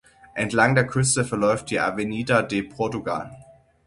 Entlang der Küste verläuft die Avenida de Portugal.